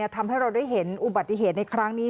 ทำให้เราได้เห็นอุบัติเหตุในครั้งนี้